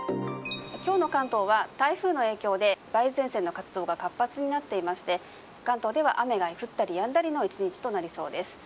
今日の関東は台風の影響で梅雨前線の活動が活発になっていまして関東では雨が降ったりやんだりの１日となりそうです。